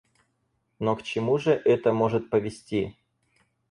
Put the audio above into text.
Но к чему же это может повести?